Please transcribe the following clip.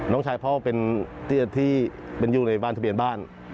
น้องชายพ่อเป็นคนที่อยู่ในทะเบียนบ้าน